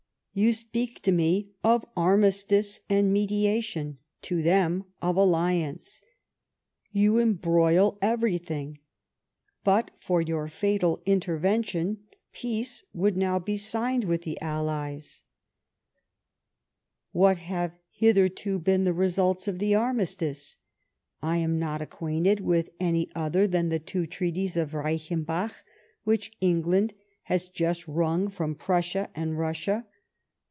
You speak to me of armistice and mediation; to them of alliance. You embroil everything. But for your fatal intervention, peace would now be signed with the Allies. THE ABMISTICE OF PLEISWITZ. 113 " What have hitherto beea tho rcBults of the armistice ? I am not acquainted with any other than the two treaties of Ruichenbach, which Eiipfland has just wrung from Prussia and Russia.